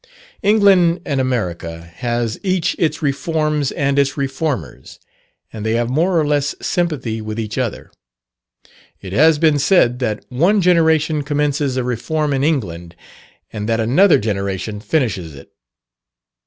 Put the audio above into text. England and America has each its reforms and its reformers, and they have more or less sympathy with each other. It has been said that one generation commences a reform in England, and that another generation finishes it.